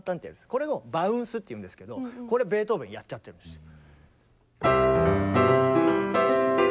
これをバウンスっていうんですけどこれベートーベンやっちゃってるんですよ。